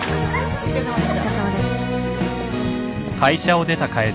お疲れさまです。